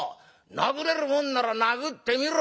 殴れるもんなら殴ってみろい」。